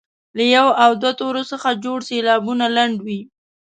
له یو او دوو تورو څخه جوړ سېلابونه لنډ وي.